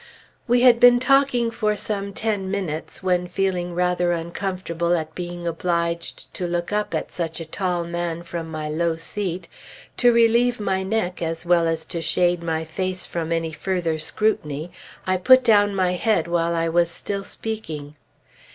We had been talking for some ten minutes, when feeling rather uncomfortable at being obliged to look up at such a tall man from my low seat, to relieve my neck as well as to shade my face from any further scrutiny, I put down my head while I was still speaking.